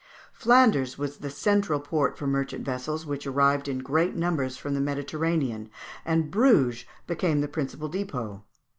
Flanders was the central port for merchant vessels, which arrived in great numbers from the Mediterranean, and Bruges became the principal depôt.